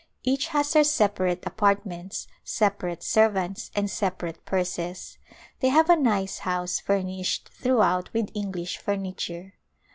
Each has her separate apartments, separate servants and separate purses. They have a nice house furnished throughout with English furniture.